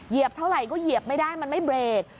เท่าไหร่ก็เหยียบไม่ได้มันไม่เบรก